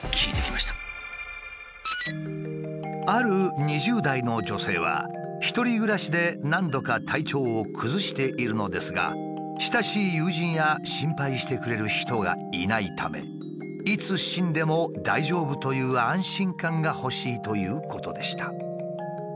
ある２０代の女性は一人暮らしで何度か体調を崩しているのですが親しい友人や心配してくれる人がいないためいつ死んでも大丈夫という安心感が欲しいということでした。